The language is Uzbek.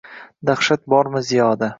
Dahshat bormi ziyoda?